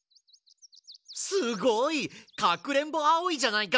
すごい！かくれんぼアオイじゃないか！